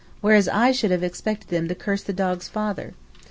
whereas I should have expected them to curse the dog's father.